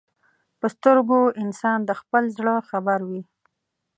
په سترګو انسان د خپل زړه خبر وي